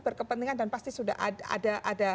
berkepentingan dan pasti sudah ada